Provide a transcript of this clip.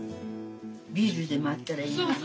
ビールでもあったらいいのに。